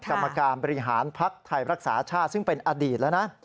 กรรมการบริหารภักดิ์ไทยรักษาชาติซึ่งเป็นอดีตแล้วนะ